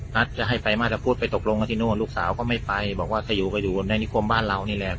จะให้ไฟมาตรพุทธไปตกลงกันที่นู่นลูกสาวก็ไม่ไปบอกว่าถ้าอยู่ก็อยู่ในนิคมบ้านเรานี่แหละ